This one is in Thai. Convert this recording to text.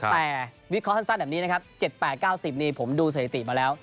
แต่วิเคราะห์สั้นแบบนี้นะครับ๗๘๙๐นี่ผมดูสถิติมาแล้ว